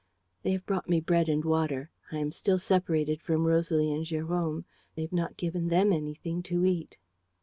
... "They have brought me bread and water! I am still separated from Rosalie and Jérôme. They have not given them anything to eat.